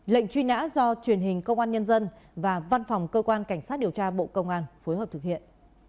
lệnh truy nã do truyền hình công an nhân dân và văn phòng cơ quan cảnh sát điều tra bộ công an phối hợp thực hiện